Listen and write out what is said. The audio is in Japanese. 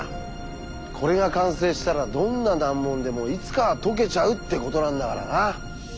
これが完成したらどんな難問でもいつかは解けちゃうってことなんだからな。